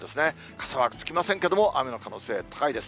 傘マークつきませんけれども、雨の可能性高いです。